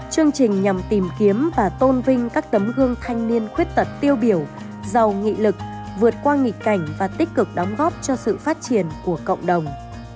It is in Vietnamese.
chương trình nhằm tìm kiếm và tôn vinh các tấm gương thanh niên khuyết tật tiêu biểu giàu nghị lực vượt qua nghịch cảnh và tích cực đóng góp cho sự phát triển của cộng đồng